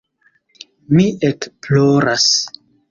Mi ekploras.